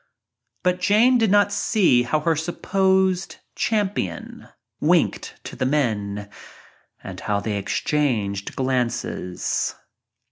But Jane did not see how her supposed cham pion winked to the men and how they exchanged glances.